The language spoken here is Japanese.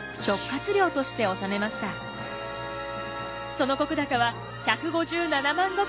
その石高は１５７万石。